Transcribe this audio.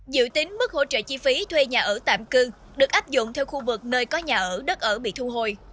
dự tính mức hỗ trợ chi phí thuê nhà ở tạm cư được áp dụng theo khu vực nơi có nhà ở đất ở bị thu hồi